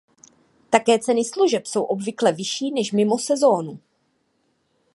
Také ceny služeb jsou obvykle vyšší než "mimo sezónu".